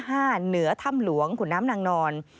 เหนือถ้ำหลวงของน้ำภรรณอน